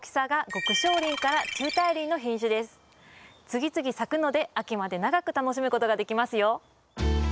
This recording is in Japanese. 次々咲くので秋まで長く楽しむ事ができますよ。